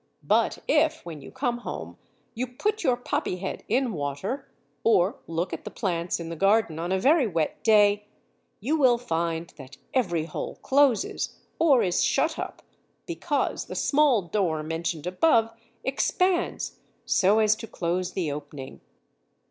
But if, when you come home, you put your poppy head in water, or look at the plants in the garden on a very wet day, you will find that every hole closes or is shut up, because the small door mentioned above expands so as to close the opening.